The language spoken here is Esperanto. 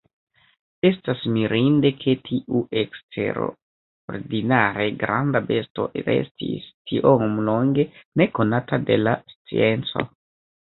Estas mirinde ke tiu eksterordinare granda besto restis tiom longe nekonata de la scienco.